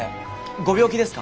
ご病気ですか？